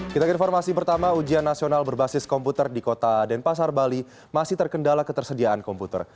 kita ke informasi pertama ujian nasional berbasis komputer di kota denpasar bali masih terkendala ketersediaan komputer